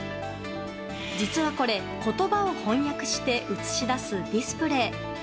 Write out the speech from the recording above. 実はこれ、言葉を翻訳して映し出すディスプレー。